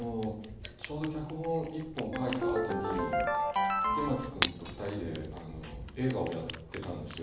ちょうど脚本一本書いたあとに池松君と２人で映画をやってたんですよ。